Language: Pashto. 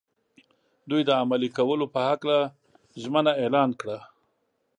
دوی د عملي کولو په هکله ژمنه اعلان کړه.